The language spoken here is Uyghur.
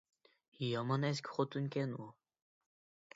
يامان ئەسكى خوتۇنكەن ئۇ!